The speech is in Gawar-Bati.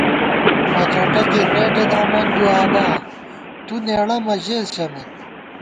مڅوٹہ گِرنېٹےدامون دُوآبا ، تُو نېڑہ مہ ژېس ژَمېت